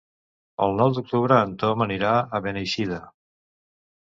El nou d'octubre en Tom anirà a Beneixida.